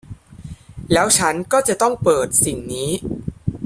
แล้วฉันก็จะต้องเปิดสิ่งนี้